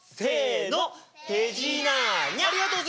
ありがとう！